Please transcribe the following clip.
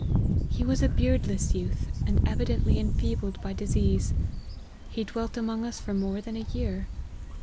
He was a beardless youth, and evi dently enfeebled by disease. He dwelt among us for more than a year.